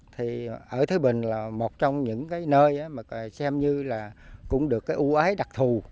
thì ở thới bình là một trong những cái nơi mà xem như là cũng được cái ưu ái đặc thù